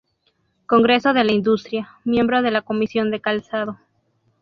Congreso de la Industria, miembro de la Comisión de Calzado.